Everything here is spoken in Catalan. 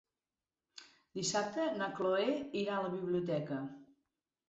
Dissabte na Cloè irà a la biblioteca.